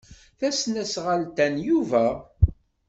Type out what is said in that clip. Tasnasɣalt-a n Yuba.